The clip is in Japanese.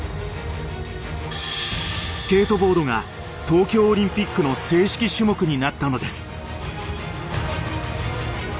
スケートボードが東京オリンピックの正式種目になったのです。